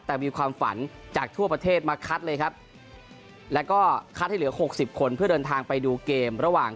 แต่มีความฝันจากทั่วประเทศมาคัดเลยครับแล้วก็คัดให้เหลือ๖๐คนเพื่อเดินทางไปดูเกมระหว่าง